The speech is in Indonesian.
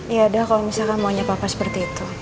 ya udah kalo misalkan maunya papa seperti itu